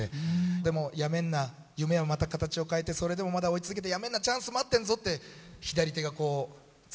でもやめんな夢はまた形を変えてそれでもまだ追い続けてやめんなチャンス待ってんぞって左手がこうつづっちゃって。